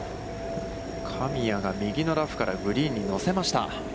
神谷が右のラフからグリーンに乗せました。